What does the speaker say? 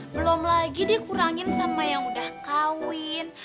belom lagi dikurangin sama yang udah kawin